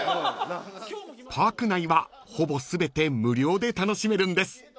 ［パーク内はほぼ全て無料で楽しめるんです］